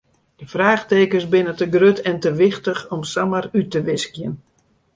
De fraachtekens binne te grut en te wichtich om samar út te wiskjen.